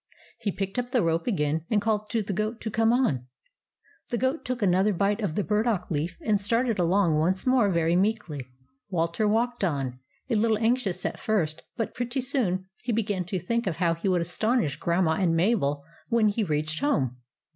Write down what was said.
He picked up the rope again and called to the goat to come on. The goat took another bite of the burdock leaf and started along once more very meekly. Walter walked on, a little anxious at first, but pretty soon he began to think of how he would astonish Grandma and Mabel when he reached home.